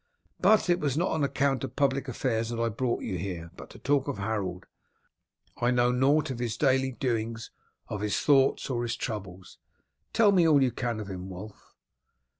But it was not on account of public affairs that I brought you here, but to talk of Harold. I know nought of his daily doings, of his thoughts, or his troubles. Tell me all you can of him, Wulf."